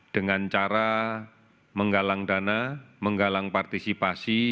dengan cara menggalang dana menggalang partisipasi